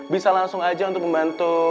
bisa langsung aja untuk membantu